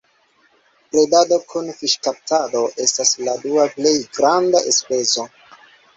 Bredado kun fiŝkaptado estas la dua plej granda enspezo.